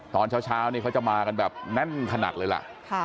ตอนเช้านี่เขาจะมากันแบบแน่นขนาดเลยล่ะ